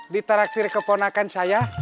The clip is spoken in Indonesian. diteraktir keponakan saya